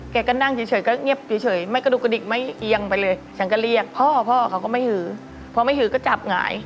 แกะก็นั่งเฉยก็เงียบเฉย